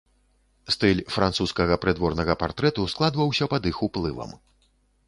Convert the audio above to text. Стыль французскага прыдворнага партрэту складваўся пад іх уплывам.